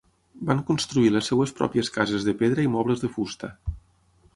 Van construir les seves pròpies cases de pedra i mobles de fusta.